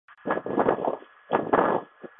本片为尼可拉斯的第四部长片。